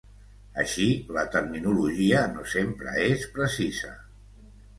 Així, la terminologia no sempre és precisa.